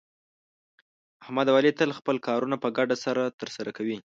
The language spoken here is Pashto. احمد او علي تل خپل کارونه په ګډه سره ترسه کوي.